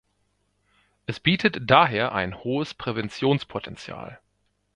Es bietet daher ein hohes Präventionspotential.